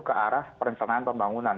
ke arah perencanaan pembangunan